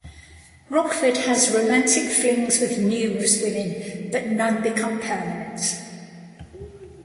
Rockford has romantic flings with numerous women, but none become permanent.